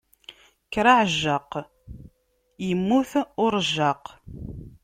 Kker a ɛejjaq, immut urejjaq.